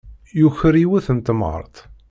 Yuker yiwet n temɣart.